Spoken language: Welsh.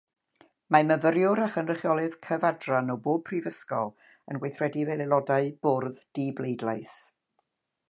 Mae myfyriwr a chynrychiolydd cyfadran o bob prifysgol yn gweithredu fel aelodau Bwrdd dibleidlais.